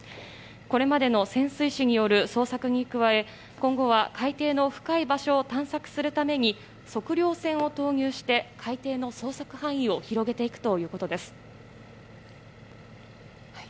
これまでの潜水士による捜索に加え今後は海底の深い場所を探索するために測量船を投入して海底の捜索範囲を広げていくということです。